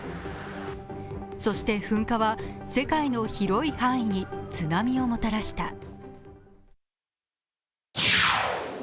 そして噴火は世界の広い範囲に津波をもたらした。